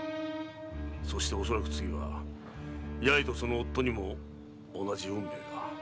そしておそらく次は八重とその夫にも同じ運命が。